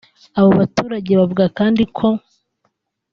Abo baturage bavuga kandi ko